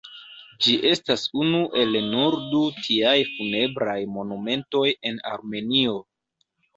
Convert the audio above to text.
Ĝi estas unu el nur du tiaj funebraj monumentoj en Armenio.